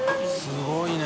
すごいね。